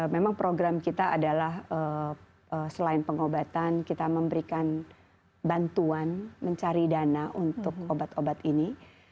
memang program kita adalah selain pengobatan kita memberikan bantuan mencari dana untuk obat obat ini